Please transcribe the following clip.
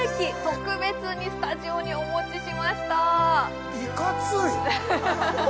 特別にスタジオにお持ちしましたいかつい！